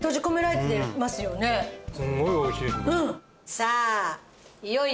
さあ